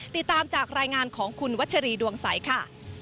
ติดตามจากรายงานของคุณวัชรีดวงใสค่ะ